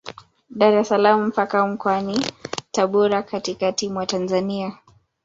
Dar es salaam mpaka Mkoani Tabora katikati mwa Tanzania